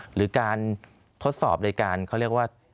หรือการทดสอบโดยการเขาเรียกว่า